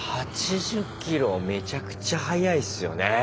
めちゃくちゃ速いっすよね！